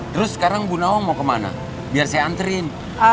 terus sekarang bunawang mau ke mana biar saya anterin